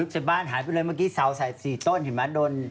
ลึกเสร็จบ้านหายไปเลยเมื่อกี้เศร้าใส่๔ต้นหิมะโดน